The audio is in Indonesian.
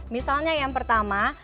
misalnya yang pertama